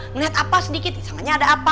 ngeliat apa sedikit disangannya ada apa